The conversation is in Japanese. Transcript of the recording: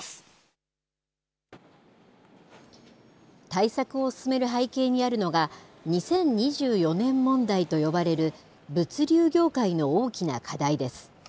対策を進める背景にあるのが、２０２４年問題と呼ばれる、物流業界の大きな課題です。